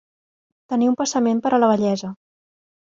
Tenir un passament per a la vellesa.